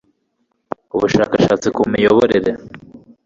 ubushakashatsi ku miyoborere